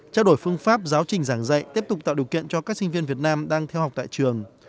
trao đổi phương pháp giáo trình giảng dạy tiếp tục tạo điều kiện cho các sinh viên việt nam đang theo học tại trường